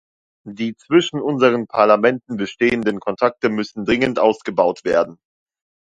Die zwischen unseren Parlamenten bestehenden Kontakte müssen dringend ausgebaut werden.